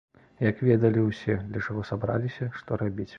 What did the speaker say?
Як ведалі ўсе, для чаго сабраліся, што рабіць.